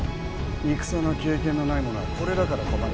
戦の経験のない者はこれだから困る。